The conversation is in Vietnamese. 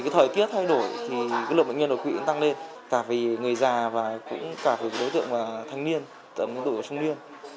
thời tiết thay đổi lượng bệnh nhân đột quỵ tăng lên cả vì người già cả vì đối tượng thanh niên tầm đối tượng trung niên